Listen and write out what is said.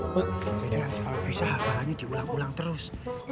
tidak bisa hafalannya diulang ulang terus